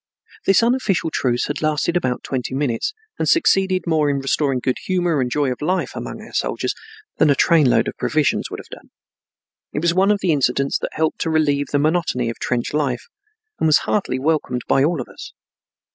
This unofficial truce had lasted about twenty minutes, and succeeded more in restoring good humor and joy of life among our soldiers than a trainload of provisions would have done. It was one of the incidents that helped to relieve the monotony of trench life and was heartily welcomed by all of us.